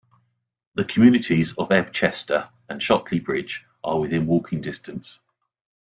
The communities of Ebchester and Shotley Bridge are within walking distance.